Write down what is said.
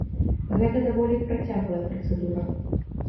Гэта даволі працяглая працэдура.